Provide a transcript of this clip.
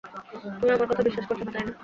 তুমি আমার কথা বিশ্বাস করছ না, তাই না?